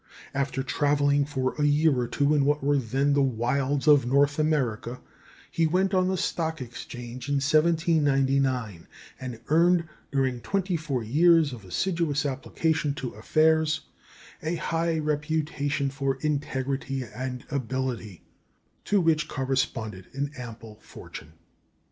After travelling for a year or two in what were then the wilds of North America, he went on the Stock Exchange in 1799, and earned during twenty four years of assiduous application to affairs a high reputation for integrity and ability, to which corresponded an ample fortune.